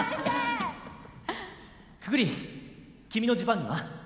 くくり君のジパングは？